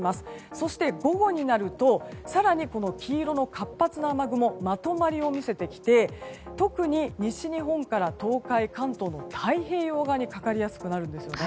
そして午後になると更に黄色の活発な雨雲まとまりを見せてきて特に西日本から東海、関東の太平洋側にかかりやすくなります。